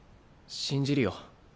信じるよ。